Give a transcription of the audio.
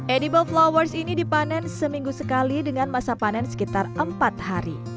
edible flowers ini dipanen seminggu sekali dengan masa panen sekitar empat hari